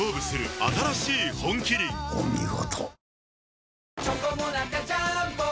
お見事。